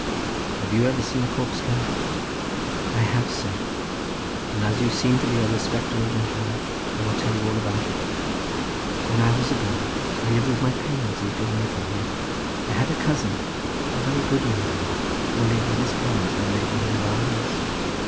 "Have you ever seen a corpse candle?" "I have, sir; and as you seem to be a respectable gentleman, I will tell you all about it. When I was a girl, I lived with my parents, a little way from here. I had a cousin, a very good young man, who lived with his parents in the neighbourhood of our house.